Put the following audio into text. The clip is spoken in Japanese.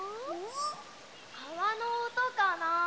かわのおとかな？